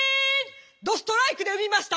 どストライクで産みました。